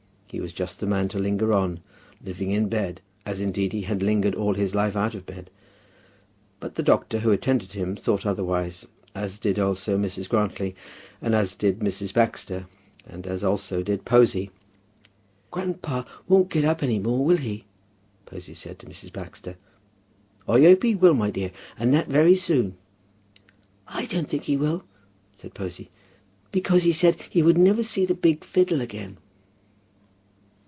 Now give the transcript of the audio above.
He was just the man to linger on, living in bed, as indeed he had lingered all his life out of bed. But the doctor who attended him thought otherwise, as did also Mrs. Grantly, and as did Mrs. Baxter, and as also did Posy. "Grandpa won't get up any more, will he?" Posy said to Mrs. Baxter. "I hope he will, my dear; and that very soon." "I don't think he will," said Posy, "because he said he would never see the big fiddle again."